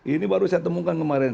ini baru saya temukan kemarin